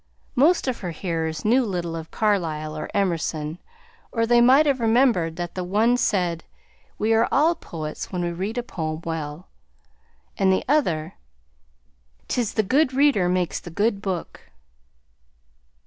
Most of her hearers knew little of Carlyle or Emerson, or they might have remembered that the one said, "We are all poets when we read a poem well," and the other, "'T is the good reader makes the good book."